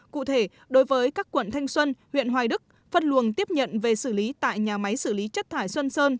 cụ thể đối với các quận thanh xuân huyện hoài đức phân luồng tiếp nhận về xử lý tại nhà máy xử lý chất thải xuân sơn